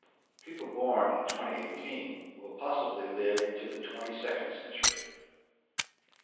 People born in twenty-eighteen will possibly live into the twenty-second century.